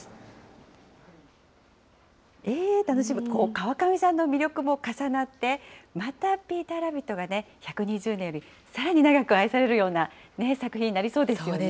川上さんの魅力も重なって、またピーターラビットが１２０年よりさらに長く愛されるような作そうですね。